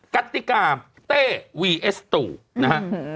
กติกาเต้วีเอสตูนะฮะ